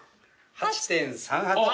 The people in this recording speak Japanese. ８．３８。